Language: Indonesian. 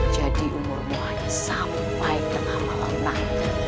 jadi umurmu hanya sampai tengah meletak